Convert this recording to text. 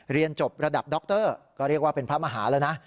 เรียนจบระดับด็อกเตอร์ก็เรียกว่าเป็นพระมหาละนะ